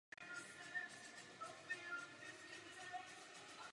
Dnes je výroba a provoz v režii společnosti United Launch Alliance.